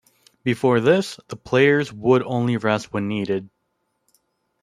Before this, the players would only rest when needed.